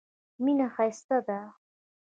مینه ښایسته ده.